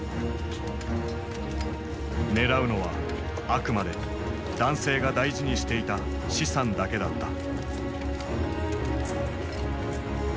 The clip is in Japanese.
狙うのはあくまで男性が大事にしていた資産だけだった。